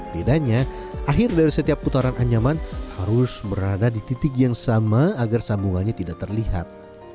bedanya akhir dari setiap putaran anyaman harus berada di titik yang sama agar sambungannya tidak terlihat